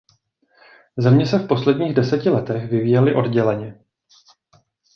Země se v posledních deseti letech vyvíjely odděleně.